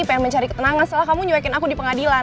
pengen mencari ketenangan setelah kamu nyuekin aku di pengadilan